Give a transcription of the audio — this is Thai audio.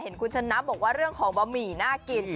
เห็นคุณฉันนับบอกว่าเรื่องของบะหมี่น่ากิน